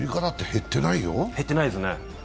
減ってないですね。